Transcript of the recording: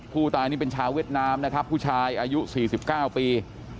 ผู้ตายนี่เป็นชาวเวียดนามนะครับผู้ชายอายุ๔๙ปี